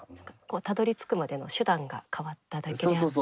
たどりつくまでの手段が変わっただけであって。